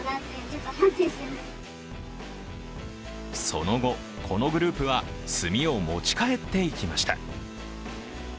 その後、このグループは炭を持ち帰っていきました。